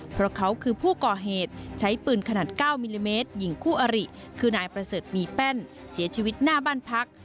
เพราะเขาคือผู้ก่อเหตุใช้ปืนขนาด๙มิลลิเมตรหญิงคู่อริคือนายประเสริฐมีแป้นเสียชีวิตหน้าบ้านพัก